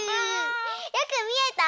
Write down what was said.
よくみえた？